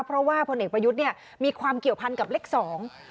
เพราะว่าพลเอกประยุทธ์เนี่ยมีความเกี่ยวพันกับเลขสอง